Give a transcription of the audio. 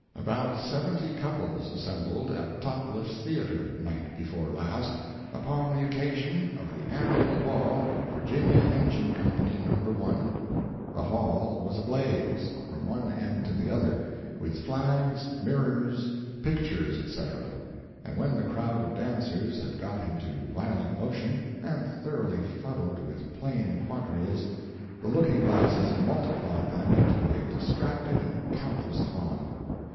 —About seventy couples assembled at Topliffe's Theatre night before last, upon the occasion of the annual ball of Virginia Engine Company No. 1. The hall was ablaze, from one end to the other, with flags, mirrors, pictures, etc.; and when the crowd of dancers had got into violent motion, and thoroughly fuddled with plain quadrilles, the looking glasses multiplied them into a distracted and countless throng.